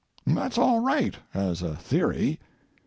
That's all right—as a theory.